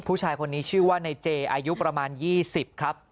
ผู้ชายคนนี้ชื่อว่าในเจอายุประมาณ๒๐ครับ